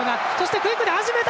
クイックで始めた！